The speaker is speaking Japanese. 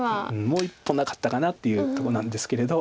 もう一歩なかったかなっていうとこなんですけれど。